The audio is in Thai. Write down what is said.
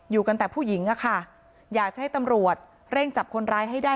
อยู่กันแต่ผู้หญิงอะค่ะอยากจะให้ตำรวจเร่งจับคนร้ายให้ได้